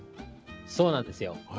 そうなんですよ。